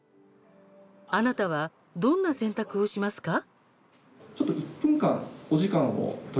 あなたはどんな選択をしますか。